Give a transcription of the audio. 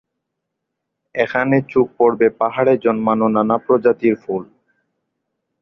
এখানে চোখ পড়বে পাহাড়ে জন্মানো নানা প্রজাতির ফুল।